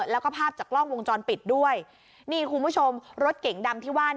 แล้วก็ภาพจากกล้องวงจรปิดด้วยนี่คุณผู้ชมรถเก๋งดำที่ว่า